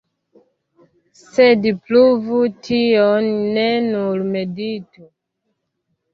Sed pruvu tion, ne nur meditu!